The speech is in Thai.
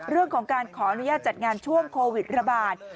เรื่องของการขออนุญาตจัดงานช่วงโควิดระบาด